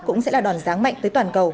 cũng sẽ là đòn ráng mạnh tới toàn cầu